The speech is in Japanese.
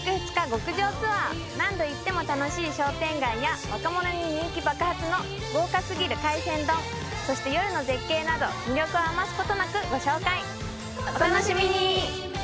極上ツアー何度行っても楽しい商店街や若者に人気爆発の豪華すぎる海鮮丼そして夜の絶景など魅力を余すことなくご紹介お楽しみに！